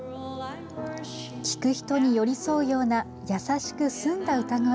聴く人に寄り添うような優しく澄んだ歌声。